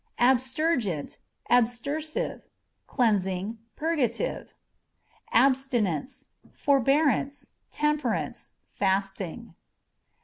Abstergent, Abstersiveâ€" cleansing, purgative. Abstinence â€" forbearance, temperance, fasting.